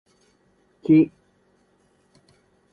木